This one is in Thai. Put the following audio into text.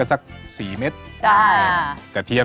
ได้แล่อ่ะคร้าวนี้